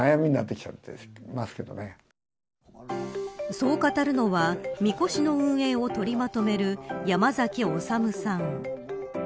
そう語るのはみこしの運営を取りまとめる山崎修さん。